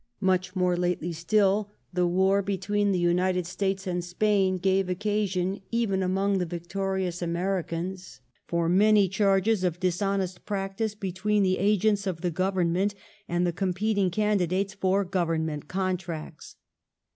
Much more lately still, the war between the United States and Spain gave occasion, even among the victorious Americans, for many charges of dishonest practice between the agents of the Government and the competing can didates for Government contracts.